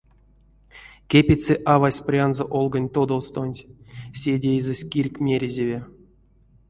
Кепедьсы авась прянзо олгонь тодовстонть — седеезэ ськирк мерезеви.